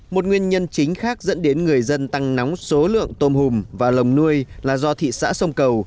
một nguyên nhân chính khác dẫn đến người dân tăng nóng số lượng tôm hùm và lồng nuôi là do thị xã sông cầu